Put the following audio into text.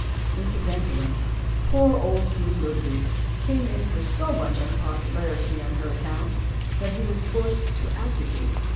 Incidentally, poor old King Ludwig came in for so much unpopularity on her account that he was forced to abdicate.